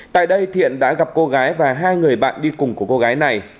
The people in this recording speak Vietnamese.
tại đây thiện đã gặp cô gái và hai người bạn đi cùng của cô gái này